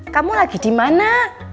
kamu lagi dimana